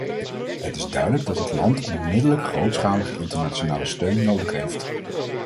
Het is duidelijk dat het land onmiddellijk grootschalige internationale steun nodig heeft.